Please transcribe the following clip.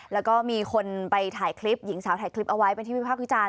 แล้วก็มีคนไปถ่ายคลิปหญิงสาวถ่ายคลิปเอาไว้เป็นที่วิพากษ์วิจารณ